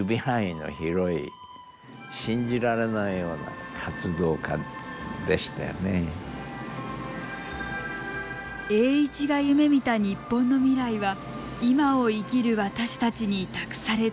栄一が夢みた日本の未来は今を生きる私たちに託されたのです。